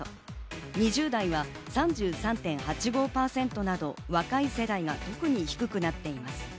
２０代は３３．８５％など若い世代が特に低くなっています。